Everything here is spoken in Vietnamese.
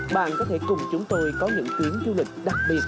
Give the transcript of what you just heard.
bạn có thể cùng chúng tôi có những tuyến du lịch đặc biệt